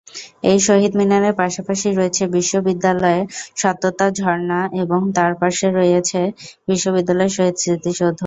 এই শহীদ মিনারের পাশাপাশি রয়েছে বিশ্ববিদ্যালয়ের সততা ঝর্ণা এবং তার পার্শ্বে রয়েছে বিশ্ববিদ্যালয়ের শহীদ স্মৃতিসৌধ।